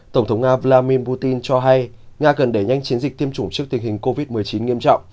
tổng thống nga vladimir putin cho hay nga cần đẩy nhanh chiến dịch tiêm chủng trước tình hình covid một mươi chín nghiêm trọng